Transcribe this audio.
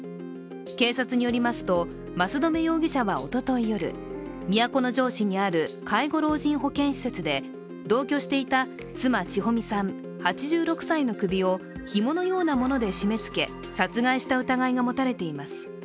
警察によりますと、益留容疑者はおととい夜、都城市にある介護老人保健施設で同居していた妻・千保美さん８６歳の首をひものようなもので締め付け殺害した疑いが持たれています。